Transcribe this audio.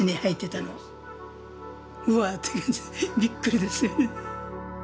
うわって感じびっくりですよね。